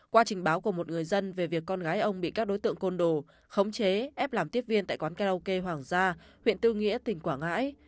qua trình báo của một người dân về việc con gái ông bị các đối tượng côn đồ khống chế ép làm tiếp viên tại quán karaoke hoàng gia huyện tư nghĩa tỉnh quảng ngãi